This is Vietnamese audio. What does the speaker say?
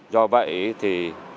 do vậy thì